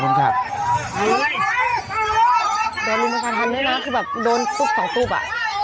แต่มันกระทัดด้วยนะคือแบบโดนปุ๊บสองปุ๊บอะ